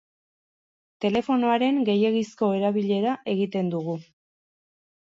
Telefonoaren gehiegizko erabilera egiten dugu.